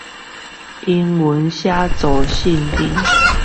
英文寫作聖經